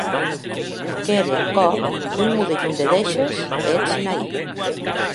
Qu’ère ath còp un modelhon de dèishes e eth Sinaí.